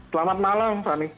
selamat malam fani